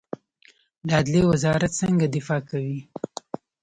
د عدلیې وزارت څنګه دفاع کوي؟